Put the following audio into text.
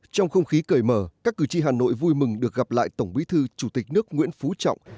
trong không khí cởi mở các cử tri hà nội vui mừng được gặp lại tổng bí thư chủ tịch nước nguyễn phú trọng